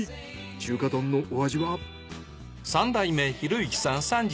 中華丼のお味は？